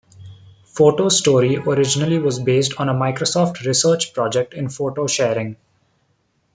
Photo Story originally was based on a Microsoft Research project in photo sharing.